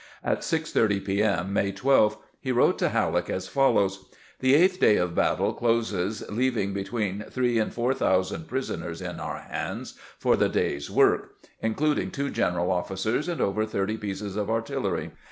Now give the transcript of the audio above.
At 6 : 30 p. M., May 12, he wrotfe to Halleck as follows :" The eighth day of battle closes, leaving between three and four thousand prisoners in our hands for the day's work, including two general officers, and over thirty pieces of artillery.